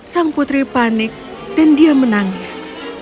sang putri panik dan dia menangis